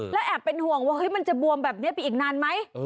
แล้วแอบเป็นห่วงว่ามันจะบวมแบบนี้ไปอีกนานไหม